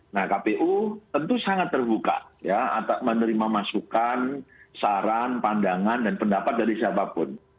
nah kpu tentu sangat terbuka ya menerima masukan saran pandangan dan pendapat dari siapapun